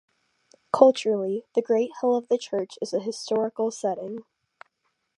Culturally, the great hill of the church is a historical setting.